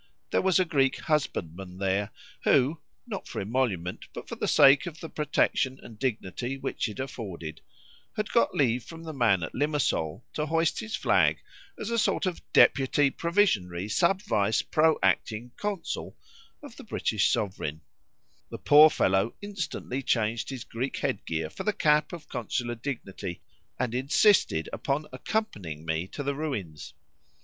There was a Greek husbandman there who (not for emolument, but for the sake of the protection and dignity which it afforded) had got leave from the man at Limasol to hoist his flag as a sort of deputy provisionary sub vice pro acting consul of the British sovereign: the poor fellow instantly changed his Greek headgear for the cap of consular dignity, and insisted upon accompanying me to the ruins.